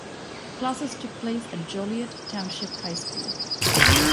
Classes took place at Joliet Township High School.